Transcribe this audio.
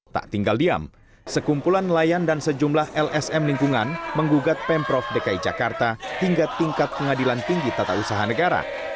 tak tinggal diam sekumpulan nelayan dan sejumlah lsm lingkungan menggugat pemprov dki jakarta hingga tingkat pengadilan tinggi tata usaha negara